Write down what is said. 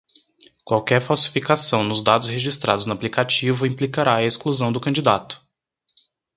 Qualquer falsificação nos dados registrados no aplicativo implicará a exclusão do candidato.